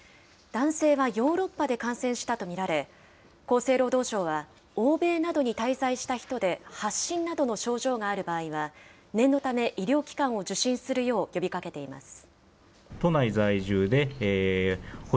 男性はヨーロッパで感染したと見られ、厚生労働省は、欧米などに滞在した人で、発疹などの症状がある場合は、念のため医療機関を受診するよう呼びかけています。